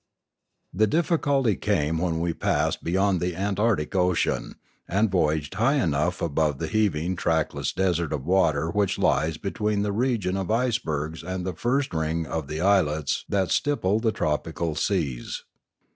The difficulty came when we passed beyond the Antarctic Ocean, and voyaged high above that heav ing trackless desert of water which lies between the region of icebergs and the first ring of islets that stipple the tropical seas.